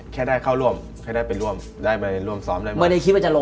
แค่ได้เข้าร่วมแค่ได้ไปร่วมร่วมซ้อมได้มา